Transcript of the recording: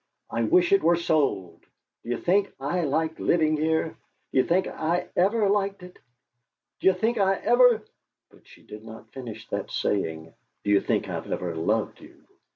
I wish it were sold! D'you think I like living here? D'you think I've ever liked it? D'you think I've ever " But she did not finish that saying: D'you think I've ever loved you?